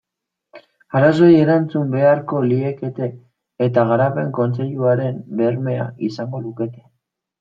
Arazoei erantzun beharko liekete eta Garapen Kontseiluaren bermea izango lukete.